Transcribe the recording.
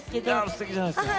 すてきじゃないですか。